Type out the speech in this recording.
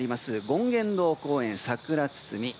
権現堂公園、桜堤。